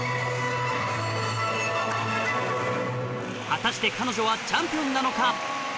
果たして彼女はチャンピオンなのか？